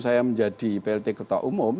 saya menjadi plt ketua umum